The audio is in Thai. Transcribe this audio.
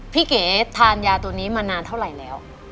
เก๋ทานยาตัวนี้มานานเท่าไหร่แล้ว